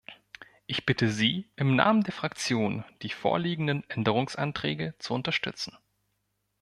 Ich bitte Sie im Namen der Fraktion, die vorliegenden Änderungsanträge zu unterstützen.